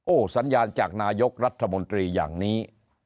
โอ้โหสัญญาณจากนายกรัฐมนตรีอย่างนี้